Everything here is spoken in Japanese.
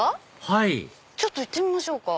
はいちょっと行ってみましょうか。